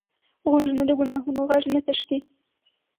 غوږونه د ګناهونو غږ نه تښتي